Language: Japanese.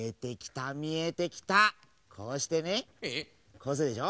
こうするでしょ。